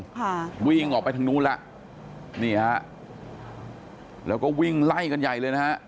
ค่ะวิ่งออกไปทางนู้นแล้วนี่ฮะแล้วก็วิ่งไล่กันใหญ่เลยนะฮะ